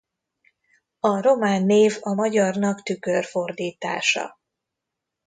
A román név a magyarnak tükörfordítása.